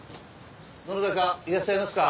どなたかいらっしゃいますか？